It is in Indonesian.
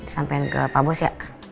sampean ke pak bos ya